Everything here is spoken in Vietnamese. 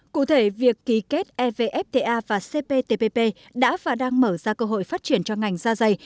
cụ thể việc ký kết evfta và cptpp đã và đang mở ra cơ hội phát triển cho ngành da dày